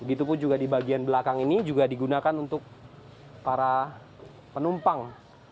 begitupun juga di bagian belakang ini juga digunakan untuk para penumpang